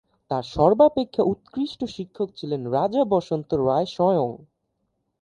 তার সর্বাপেক্ষা উৎকৃষ্ট শিক্ষক ছিলেন রাজা বসন্ত রায় স্বয়ং।